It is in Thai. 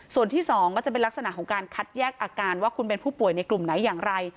ส่วนที่๒ก็จะเป็นลักษณะของการคัดแยกอาการว่าคุณเป็นผู้ป่วยในกลุ่มไหนอย่างไร